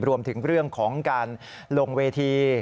รวมถึงเรื่องของการลงเวที